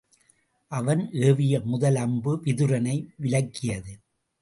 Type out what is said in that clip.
அவன் ஏவிய முதல் அம்பு விதுரனை விலக்கியது.